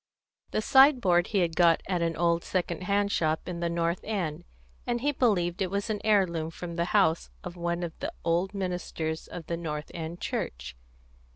The sideboard he had got at an old second hand shop in the North End; and he believed it was an heirloom from the house of one of the old ministers of the North End Church.